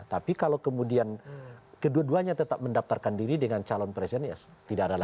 tapi kalau kemudian kedua duanya tetap mendaftarkan diri dengan calon presiden ya tidak ada lagi